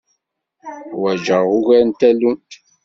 Ḥwaǧeɣ ugar n tallunt.